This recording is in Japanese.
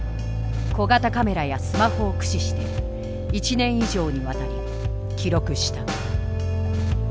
小型カメラやスマホを駆使して１年以上にわたり記録した。